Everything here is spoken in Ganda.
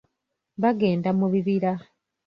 Bagenda mu bibira.